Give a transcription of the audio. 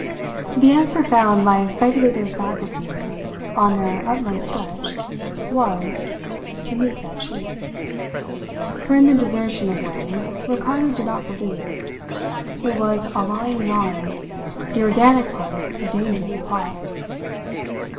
The answer found by his speculative faculties on their utmost stretch was to meet that Chink. For in the desertion of Wang Ricardo did not believe. It was a lying yarn, the organic part of a dangerous plot.